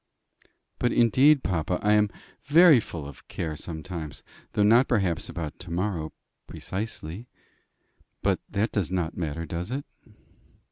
"But indeed, papa, I am very full of care sometimes, though not perhaps about to morrow precisely. But that does not matter, does it?"